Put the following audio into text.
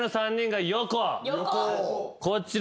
こちら。